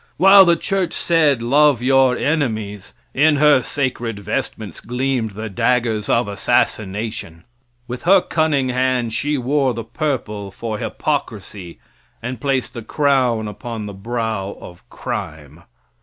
While the church said, "love your enemies," in her sacred vestments gleamed the daggers of assassination. With her cunning hand, she wore the purple for hypocrisy, and placed the crown upon the brow of crime.